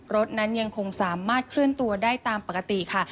รถนั้นยังคงสามารถเคลื่อนตัวได้ตามปกติค่ะ